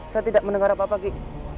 saya tidak mendengar apa apa lagi